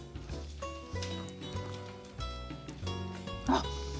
あっ！